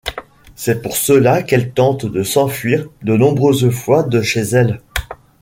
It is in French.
C'est pour cela qu'elle tente de s'enfuir de nombreuses fois de chez elle.